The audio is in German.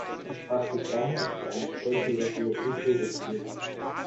Er sprach sich daher für eine flächendeckende Impfung der Tiere aus.